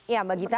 ya mbak gita